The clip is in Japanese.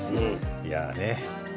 いやね。